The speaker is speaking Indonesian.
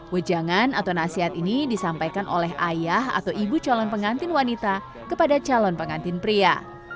wejangan atau nasihat ini disampaikan oleh ayah atau ibu calon pengantin wanita kepada calon pengantin pria